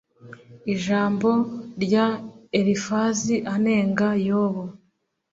Ijambo rya Elifazi anenga Yobu